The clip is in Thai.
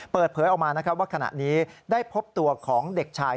เปิดเผยออกมานะครับว่าขณะนี้ได้พบตัวของเด็กชาย